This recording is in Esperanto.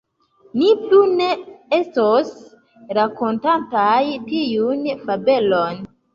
Ni plu ne estos rakontantaj tiun fabelon.